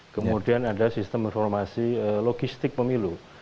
kemudian ada sistem informasi logistik pemilu